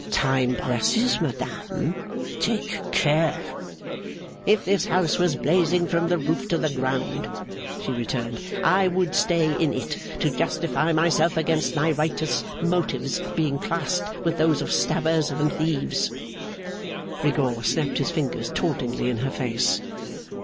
'Time presses, madame. Take care!' 'If this house was blazing from the roof to the ground,' she returned, 'I would stay in it to justify myself against my righteous motives being classed with those of stabbers and thieves.' Rigaud snapped his fingers tauntingly in her face.